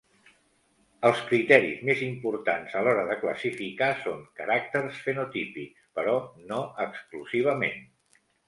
Els criteris més importants a l'hora de classificar són caràcters fenotípics, però no exclusivament.